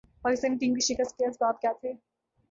Pakistani team کے شکست کے اسباب کیا تھے ۔